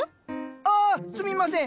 ああすみません。